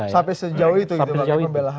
sampai sejauh itu